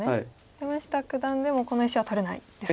山下九段でもこの石は取れないですか。